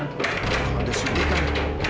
kamu sudah sudah kan